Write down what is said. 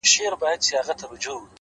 سکوت کله ناکله تر خبرو قوي وي؛